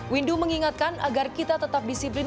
windu mengingatkan agar kita tetap disiplin